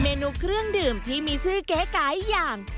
เมนูเครื่องดื่มที่มีชื่อแกะกายอย่าง